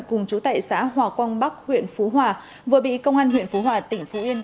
cùng chú tệ xã hòa quang bắc huyện phú hòa vừa bị công an huyện phú hòa tỉnh phú yên